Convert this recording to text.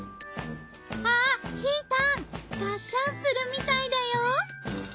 あっひーたん！がっしゃんするみたいだよ。